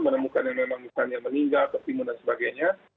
menemukan yang memang bisa meninggal ketimun dan sebagainya